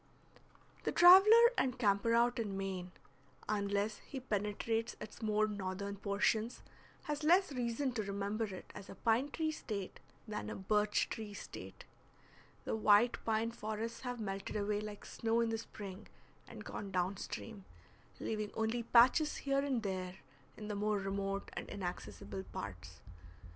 The traveler and camper out in Maine, unless he penetrates its more northern portions, has less reason to remember it as a pine tree State than a birch tree State. The white pine forests have melted away like snow in the spring and gone down stream, leaving only patches here and there in the more remote and inaccessible parts.